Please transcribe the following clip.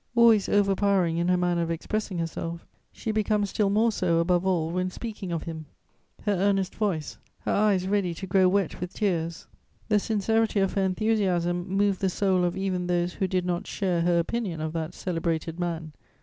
Always overpowering in her manner of expressing herself, she becomes still more so, above all, when speaking of him. Her earnest voice, her eyes ready to grow wet with tears, the sincerity of her enthusiasm moved the soul of even those who did not share her opinion of that celebrated man.